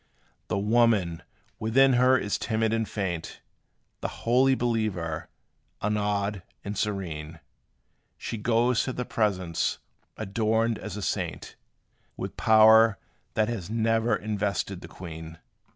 The woman within her is timid and faint; The holy believer, unawed and serene; She goes to the presence, adorned as a saint, With power that has never invested the queen.